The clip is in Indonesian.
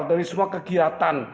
dari semua kegiatan